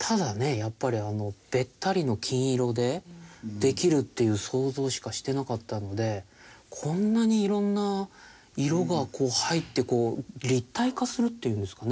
やっぱりあのべったりの金色でできるっていう想像しかしてなかったのでこんなに色んな色が入って立体化するっていうんですかね？